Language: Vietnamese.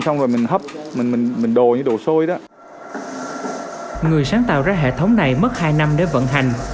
người sáng tạo ra hệ thống này mất hai năm để vận hành